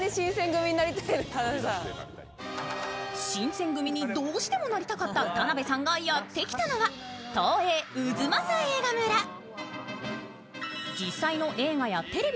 新選組にどうしてもなりたかった田辺さんがやってきたのは、東映太秦映画村。